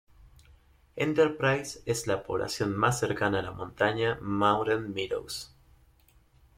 Enterprise es la población más cercana a la montaña "Mountain Meadows".